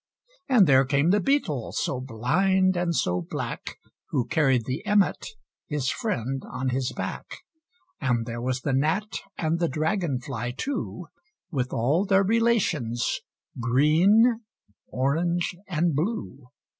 And there came the Beetle, so blind and so black, Who carried the Emmet, his friend, on his back. And there was the Gnat and the Dragon fly too, With all their Relations, green, orange and blue.